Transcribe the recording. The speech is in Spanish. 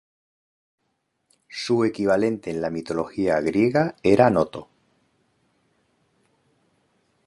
Su equivalente en la mitología griega era Noto.